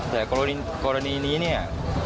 แต่กรณีนี้